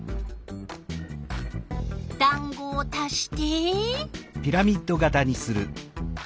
だんごを足して。